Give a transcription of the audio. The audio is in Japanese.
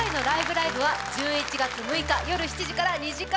ライブ！」は１１月６日夜７時から２時間